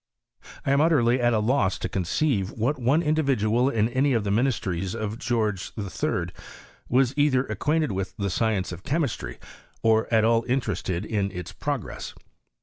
I am utterly at a loss to conceive what one Individual in any of the ministries of George III, was either acquainted with the science of chemistry, or at all interested ia its progress.